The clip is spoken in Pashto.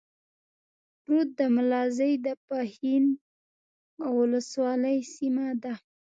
رود ملازۍ د پښين اولسوالۍ سيمه ده.